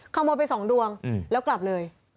ขโมยไป๒ดวงแล้วกลับเลย